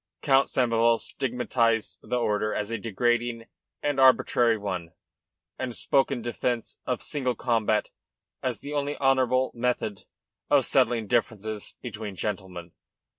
Count Samoval stigmatised the order as a degrading and arbitrary one, and spoke in defence of single combat as the only honourable method of settling differences between gentlemen.